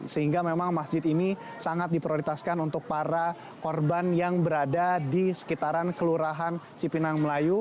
sehingga memang masjid ini sangat diprioritaskan untuk para korban yang berada di sekitaran kelurahan cipinang melayu